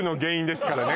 ですからね